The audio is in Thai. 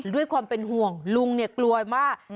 ด้วยความเป็นห่วงลุงเนี่ยกลัวมาก